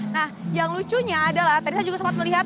nah yang lucunya adalah tadi saya juga sempat melihat